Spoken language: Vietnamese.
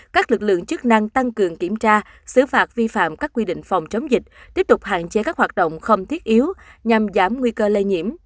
các lực lượng chức năng tăng cường kiểm tra xử phạt vi phạm các quy định phòng chống dịch tiếp tục hạn chế các hoạt động không thiết yếu nhằm giảm nguy cơ lây nhiễm